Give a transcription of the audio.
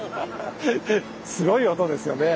すごい音ですよね